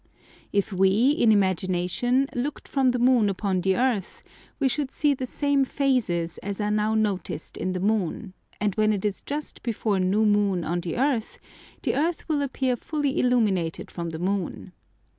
If we, in imagination, looked from the moon upon the earth, we should see the same phases as are now noticed in the moon; and when it is just before new moon on the earth, the earth will appear fully illuminated from the moon.